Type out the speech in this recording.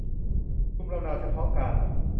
ภูมิลำเนาเฉพาะการ